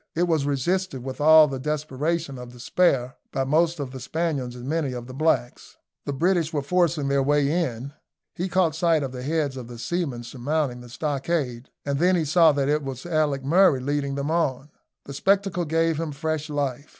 It was resisted with all the desperation of despair by most of the Spaniards and many of the blacks. The British were forcing their way in. He caught sight of the heads of the seamen surmounting the stockade, and then he saw that it was Alick Murray leading them on. The spectacle gave him fresh life.